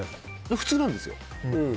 普通なんですよ。